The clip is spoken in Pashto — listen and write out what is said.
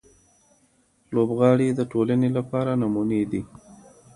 لوبغاړي د ټولنې لپاره نمونې دي.